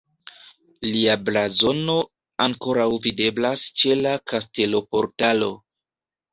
Lia blazono ankoraŭ videblas ĉe la kasteloportalo.